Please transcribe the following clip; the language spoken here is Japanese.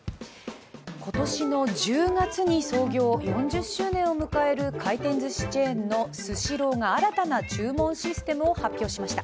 今年の１０月に創業４０周年を迎える回転ずしチェーンのスシローが新たな注文システムを発表しました。